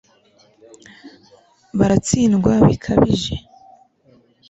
baratsindwa bikabije